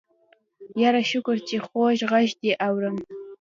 يره شکر چې خوږ غږ دې اورم.